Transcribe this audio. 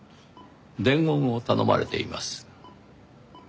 伝言を頼まれています。